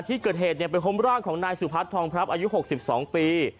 ที่เกิดเหตุไปพบร่างของนายสุพัฒนทองพรับอายุ๖๒ปี